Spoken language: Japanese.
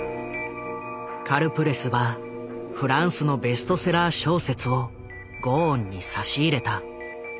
カルプレスはフランスのベストセラー小説をゴーンに差し入れた。